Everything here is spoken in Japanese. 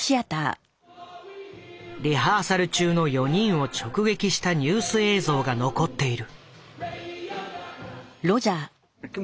リハーサル中の４人を直撃したニュース映像が残っている。